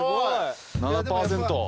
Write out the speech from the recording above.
７％。